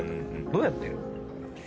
どうやってんの？